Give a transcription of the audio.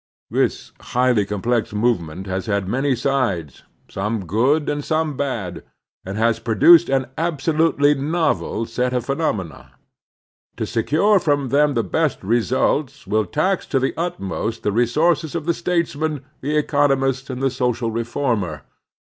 This highly complex movement has had many sides, some good and some bad, and has produced an absolutely novel set of phenomena. To secure from them the best results will tax to the utmost the resources of the statesman, the econo mist, and the social reformer.